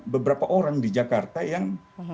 beberapa orang di jakarta yang